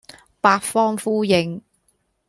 八方呼應